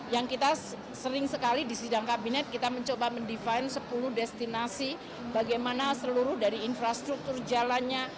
yang kita sering sekali di sidang kabinet kita mencoba mendefine sepuluh destinasi bagaimana seluruh dari infrastruktur jalannya